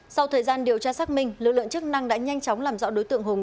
sau thời gian điều tra xác minh lực lượng chức năng đã nhanh chóng làm rõ đối tượng hùng